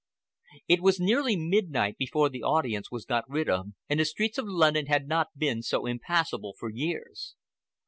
It was nearly midnight before the audience was got rid of, and the streets of London had not been so impassable for years.